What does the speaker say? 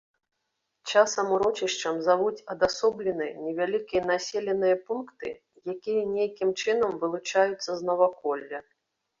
Часам урочышчам завуць адасобленыя невялікія населеныя пункты, якія нейкім чынам вылучаюцца з наваколля.